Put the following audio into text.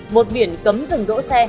một biển cấm dừng đỗ xe